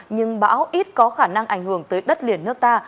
nhưng bão ít có khả năng ảnh hưởng tới đất liền nước ta